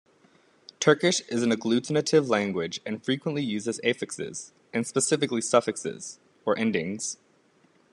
Turkish is an agglutinative language and frequently uses affixes, and specifically suffixes, or endings.